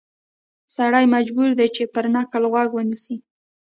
سړی مجبور دی چې پر نکل غوږ ونیسي.